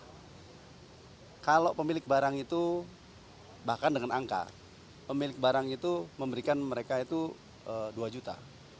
nah kalau pemilik barang itu bahkan dengan angka pemilik barang itu memberikan mereka itu dua juta